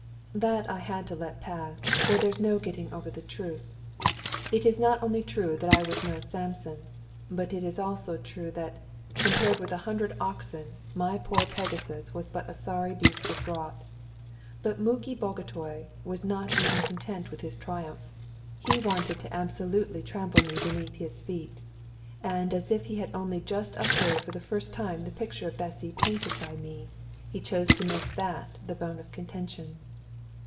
That I had to let pass, for there's no getting over the truth. It is not only true that I was no Samson, but it is also true that, compared with a hundred oxen, my poor Pegasus was but a sorry beast of draught. But Muki Bagotay was not even content with this triumph, he wanted to absolutely trample me beneath his feet; and as if he had only just observed for the first time the picture of Bessy painted by me, he chose to make that the bone of contention.